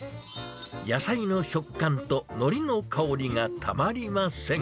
野菜の食感とのりの香りがたまりません。